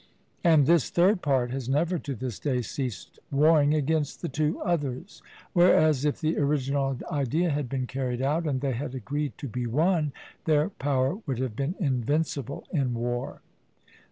And this third part has never to this day ceased warring against the two others; whereas, if the original idea had been carried out, and they had agreed to be one, their power would have been invincible in war.